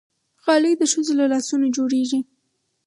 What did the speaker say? غالۍ د ښځو له لاسونو جوړېږي.